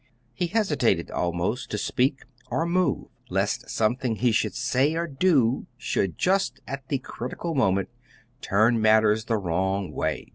He hesitated almost to speak or move lest something he should say or do should, just at the critical moment, turn matters the wrong way.